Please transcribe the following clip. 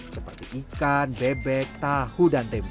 seperti ikan bebek tahu dan tempe